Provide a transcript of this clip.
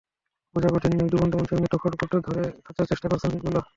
বোঝা কঠিন নয়, ডুবন্ত মানুষের মতো খড়কুটো ধরে বাঁচার চেষ্টা করছেন লুলা।